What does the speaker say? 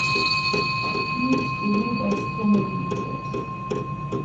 İr ç̌vinobas komebinç̌et.